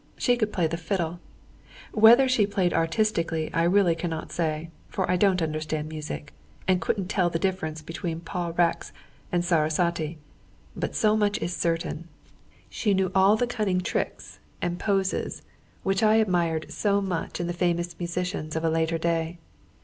She could play the fiddle. Whether she played artistically I really cannot say, for I don't understand music, and couldn't tell the difference between Paul Racz and Sarasate; but so much is certain, she knew all the cunning tricks and poses which I admired so much in the famous musicians of a later day.